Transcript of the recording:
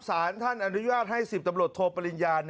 สารท่านอนุญาตให้๑๐ตำรวจโทปริญญา